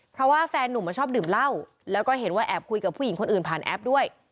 เพราะว่าแฟนนุ่มชอบดื่มเหล้าแล้วก็เห็นว่าแอบคุยกับผู้หญิงคนอื่นผ่านแอปด้วย